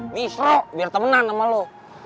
misro biar temenan sama lo